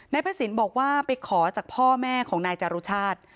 พระศิลป์บอกว่าไปขอจากพ่อแม่ของนายจารุชาติ